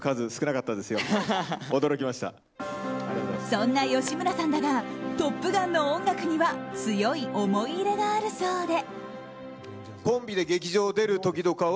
そんな吉村さんだが「トップガン」の音楽には強い思い入れがあるそうで。